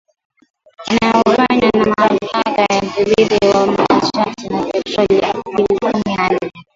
inayofanywa na Mamlaka ya Udhibiti wa Nishati na Petroli Aprili kumi na nne